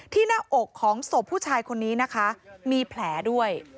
หน้าอกของศพผู้ชายคนนี้นะคะมีแผลด้วย